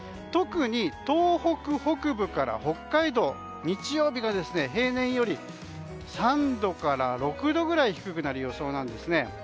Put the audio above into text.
特に、東北北部から北海道日曜日が平年より３度から６度ぐらい低くなる予想です。